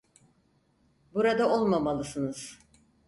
Burada olmamalısınız.